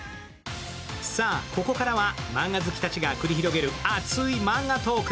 さあ、ここからはマンガ好きたちが繰り広げる熱いマンガトーク。